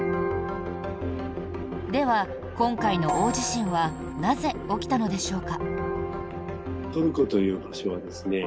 では、今回の大地震はなぜ起きたのでしょうか。